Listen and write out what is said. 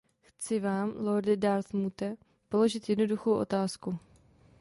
Chci vám, lorde Dartmouthe, položit jednoduchou otázku.